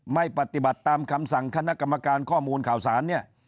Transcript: ไม่ปฏิบัติตามคำสั่งคณะกรรมการข้อมูลข่าวสารเนี่ย